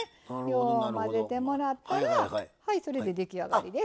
よう混ぜてもらったらはいそれで出来上がりです。